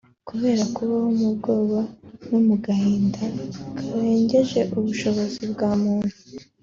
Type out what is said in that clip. Kubera kubaho mu bwoba no mu gahinda karengeje ubushobozi bwa muntu